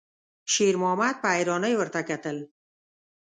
شېرمحمد په حيرانۍ ورته کتل.